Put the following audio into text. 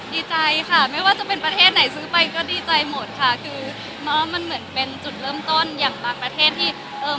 ดีใจค่ะไม่ว่าจะเป็นประเทศไหนซื้อไปก็ดีใจหมดค่ะคือน้องมันเหมือนเป็นจุดเริ่มต้นอย่างบางประเทศที่เอ่อ